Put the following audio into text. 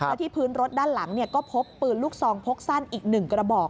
และที่พื้นรถด้านหลังก็พบปืนลูกซองพกสั้นอีก๑กระบอก